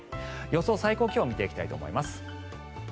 予想最高気温見ていきたいと思います。